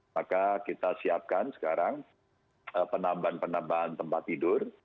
maka kita siapkan sekarang penambahan penambahan tempat tidur